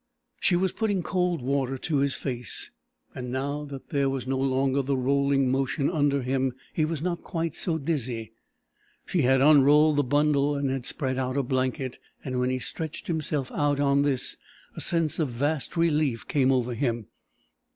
She was putting cold water to his face, and now that there was no longer the rolling motion under him he was not quite so dizzy. She had unrolled the bundle and had spread out a blanket, and when he stretched himself out on this a sense of vast relief came over him.